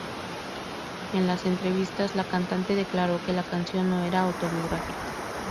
En las entrevistas, la cantante declaró que la canción no era autobiográfica.